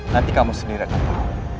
nanti kamu sendiri akan pulang